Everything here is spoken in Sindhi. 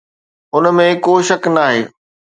ان ۾ ڪو شڪ ناهي